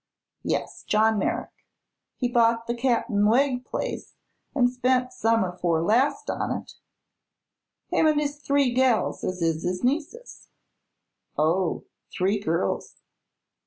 "Yes; John Merrick. He bought the Cap'n Wegg place an' spent summer 'fore last on it him an' his three gals as is his nieces." "Oh; three girls."